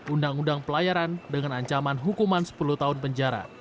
undang undang pelayaran dengan ancaman hukuman sepuluh tahun penjara